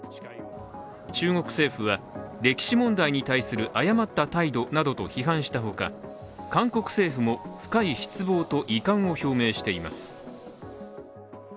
中国政府は、歴史問題に対する誤った態度などと批判したほか韓国政府も深い失望と遺憾を表明しています。